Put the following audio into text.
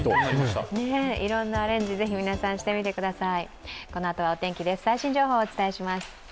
いろんなアレンジ、ぜひ皆さんしてみてください。